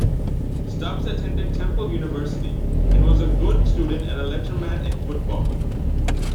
Stubbs attended Temple University, and was a good student and a letterman in football.